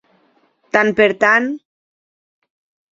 Tant per tant.